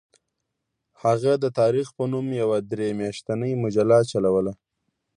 هغه د تاریخ په نوم یوه درې میاشتنۍ مجله چلوله.